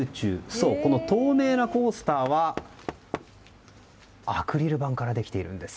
そう、この透明なコースターはアクリル板からできているんです。